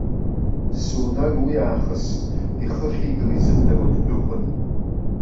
Сунар уи аахыс ихы ахьигара изымдыруа ддәықәын.